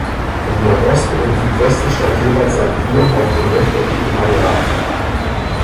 Im Nordosten und Südwesten stand jeweils ein Turm auf dem rechteckigen Areal.